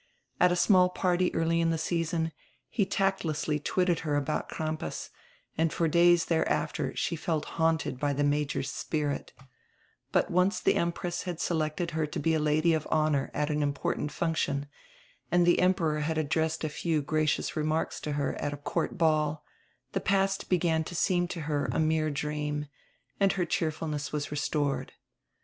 At a small party early in the season he tactlessly twitted her about Crampas and for days thereafter she felt haunted by the Major's spirit But once the Empress had selected her to be a lady of honor at an important function, and the Emperor had addressed a few gracious remarks to her at a court ball, the past began to seem to her a mere dream, and her cheerfulness was restored.